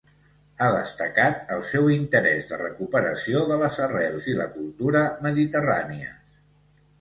Ha destacat el seu interès de recuperació de les arrels i la cultura mediterrànies.